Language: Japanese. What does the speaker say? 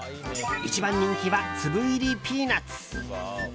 一番人気は粒入りピーナツ。